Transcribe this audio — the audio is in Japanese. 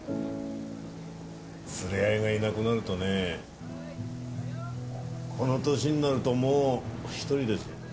連れ合いがいなくなるとねこの年になるともう一人です。